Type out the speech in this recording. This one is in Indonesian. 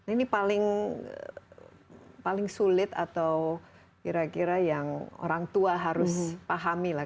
ini paling sulit atau kira kira yang orang tua harus pahami lah